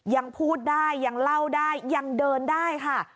ยังพูดได้ยังเล่าได้ยังเดินได้ค่ะ